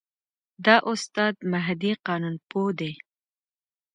دا استاد مهدي قانونپوه دی.